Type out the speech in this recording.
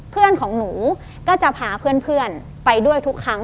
เพื่อนของหนูก็จะพาเพื่อนไปด้วยทุกครั้ง